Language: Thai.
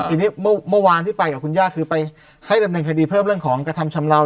ทีนี้เมื่อวานที่ไปกับคุณย่าคือไปให้ดำเนินคดีเพิ่มเรื่องของกระทำชำราว